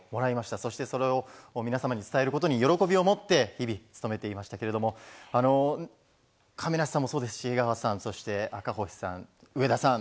そしてそれを皆様に伝えることに喜びを持って日々、勤めていましたけれども亀梨さんもそうですし赤星さん、上田さん